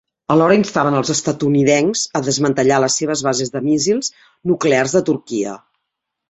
Alhora instaven els estatunidencs a desmantellar les seves bases de míssils nuclears de Turquia.